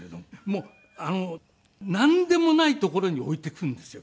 もうなんでもない所に置いてくるんですよ